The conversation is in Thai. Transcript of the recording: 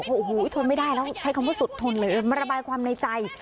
โอ้โหทนไม่ได้แล้วใช้คำว่าสุดทนเลยมาระบายความในใจ